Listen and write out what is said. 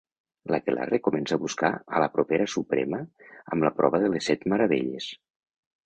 L’aquelarre comença a buscar a la propera Suprema amb la prova de les Set Meravelles.